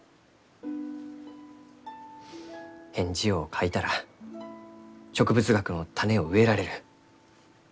返事を書いたら植物学の種を植えられる。